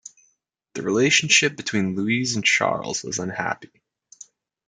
The relationship between Louise and Charles was unhappy.